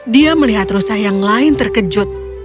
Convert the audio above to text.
dia melihat rusa yang lain terkejut